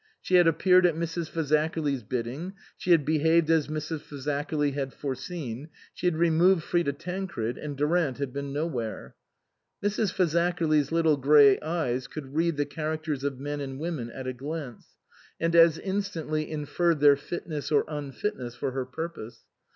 She had appeared at Mrs. Fazakerly's bidding, she had behaved as Mrs. Fazakerly had foreseen, she had removed Frida Tancred, and Durant had been nowhere. Mrs. Fazakerly's little grey eyes could read the characters of men and women at a glance, and as instantly inferred their fitness or unfitness for her purpose.